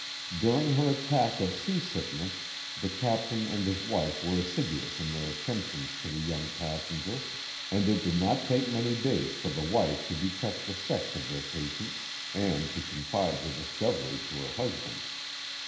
During her attack of sea sickness the captain and his wife were assiduous in their at tentions to their young passenger, and it did not take many days for the wife to detect the sex of their patient, and to confide her discovery to her husband.